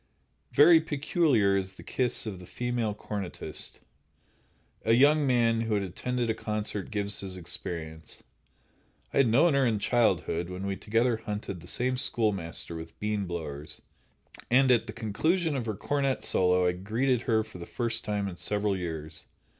Very peculiar is the kiss of the female cornetist. A young man who had attended a concert gives his experience. "I had known her in childhood, when we together hunted the same schoolmaster with bean blowers, and at the conclusion of her cornet solo I greeted her for the first time in several years.